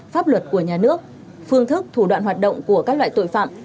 pháp luật của nhà nước phương thức thủ đoạn hoạt động của các loại tội phạm